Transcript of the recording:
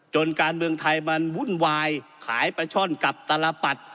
การเมืองไทยมันวุ่นวายขายปลาช่อนกับตลปัด